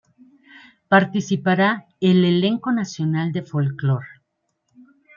Participará el Elenco Nacional de Folclore.